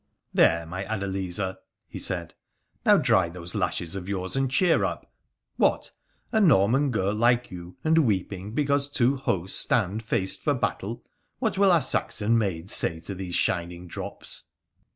'There, my Adeliza,' he said; 'now dry those lashes of yours and cheer up. What ! A Norman girl like you, and weeping because two hosts stand faced for battle 1 What will our Saxon maids say to these shining drops